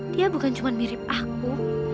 dia bukan cuma mirip aku